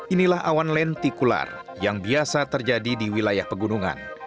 inilah awan lentikular yang biasa terjadi di wilayah pegunungan